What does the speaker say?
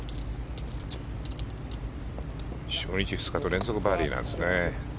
初日、２日と連続バーディーなんですね。